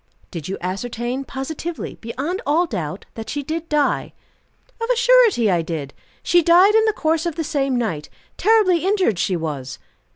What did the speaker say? "Did you ascertain positively, beyond all doubt, that she did die?" "Of a surety I did. She died in the course of the same night. Terribly injured she was."